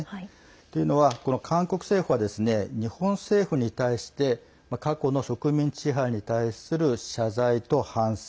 というのは、韓国政府はですね日本政府に対して過去の植民地支配に対する謝罪と反省。